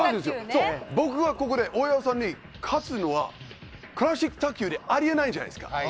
僕がここで大矢さんに勝つのはクラシック卓球ではあり得ないじゃないですか。